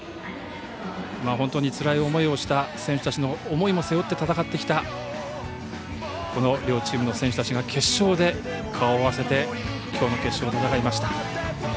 本当につらい思いをした選手たちの思いも背負って戦ってきたこの両チームの選手たちが決勝で顔を合わせてきょうの決勝を戦いました。